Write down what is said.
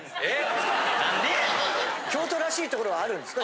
京都らしいところはあるんですか？